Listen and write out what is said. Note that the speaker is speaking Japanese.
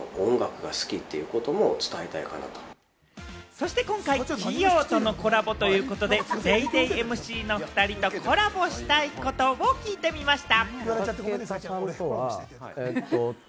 そして今回、企業とのコラボということで、『ＤａｙＤａｙ．』ＭＣの２人とコラボしたいことを聞いてみました。